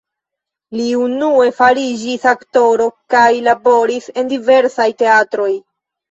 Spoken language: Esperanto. Li unue fariĝis aktoro kaj laboris en diversaj teatroj.